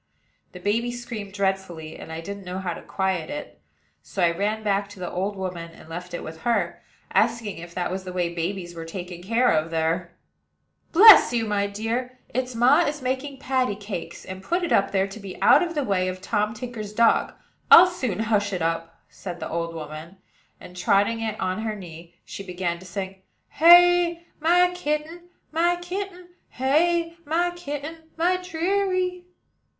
The baby screamed dreadfully, and I didn't know how to quiet it; so I ran back to the old woman, and left it with her, asking if that was the way babies were taken care of there. "Bless you, my dear! its ma is making patty cakes; and put it up there to be out of the way of Tom Tinker's dog. I'll soon hush it up," said the old woman; and, trotting it on her knee, she began to sing: "Hey! my kitten, my kitten, Hey! my kitten, my deary."